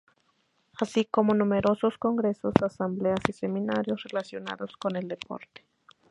Así como numerosos congresos, asambleas y seminarios relacionados con el deporte.